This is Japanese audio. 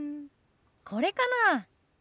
これかな。